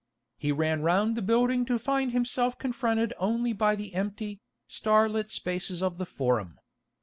He ran round the building to find himself confronted only by the empty, star lit spaces of the Forum.